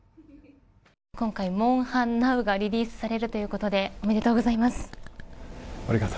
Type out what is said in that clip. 今回、モンハンナウがリリースされるということでありがとうございます。